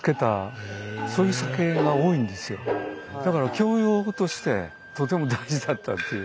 だから教養としてとても大事だったっていう。